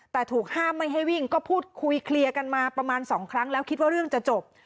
แต่ถูกห้ามไม่ให้วิ่งก็พูดคุยเคลียร์กันมาประมาณ๒ครั้งแล้วคิดว่าเรื่องจะจบ